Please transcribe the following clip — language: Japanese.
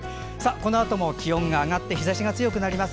このあとも気温が上がり日ざしが強くなります。